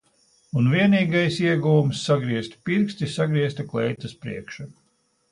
Un vienīgais ieguvums sagriezti pirksti, sagriezta kleitas priekša.